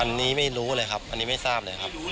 อันนี้ไม่รู้เลยครับอันนี้ไม่ทราบเลยครับ